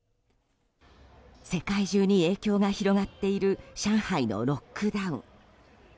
世界中に影響が広がっている上海のロックダウン。